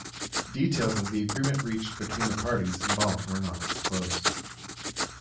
Details of the agreement reached between the parties involved were not disclosed.